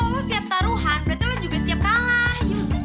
lo setiap taruhan berarti lo juga setiap kalah